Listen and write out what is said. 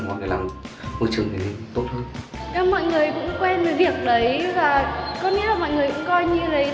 mọi người cũng quen với việc đấy và có nghĩa là mọi người cũng coi như đấy là một chuyện bình thường thôi